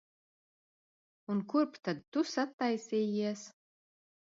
Un kurp tad tu sataisījies?